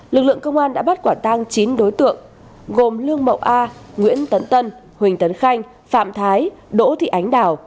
lực lượng công an đã bắt quả tang chín đối tượng gồm lương mậu a nguyễn tấn tân huỳnh tấn khanh phạm thái đỗ thị ánh đào